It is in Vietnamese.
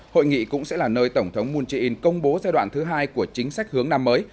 hội nghị cũng sẽ là nơi tổng thống moon jae in công bố giai đoạn thứ hai của chính sách hướng năm mới